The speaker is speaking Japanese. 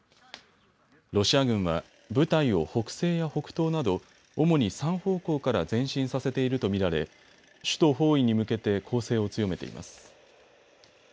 ロシア軍は部隊を北西や北東など主に３方向から前進させていると見られ首都包囲に向けて攻勢を強めています。